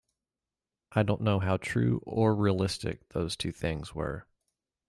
I don't know how true or realistic those two things were